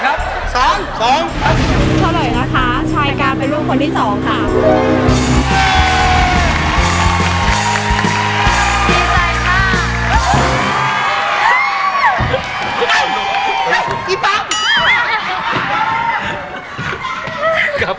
ไอ้ปั๊บ